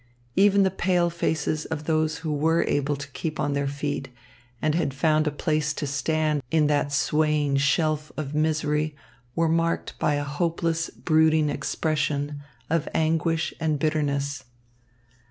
Even the pale faces of those who were able to keep on their feet and had found a place to stand in that swaying shelf of misery, were marked by a hopeless, brooding expression of anguish and bitterness.